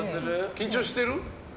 緊張してる？